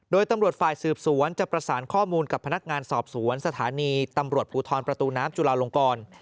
โดยตำรวจฝ่ายสืบสวนจะประสานข้อมูลกับพนักงานสอบสวนสถานีตำรวจภูทรประตูน้ำจุลาลงกร